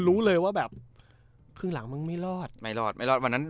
รู้เลยว่าครึ่งหลังมันไม่รอด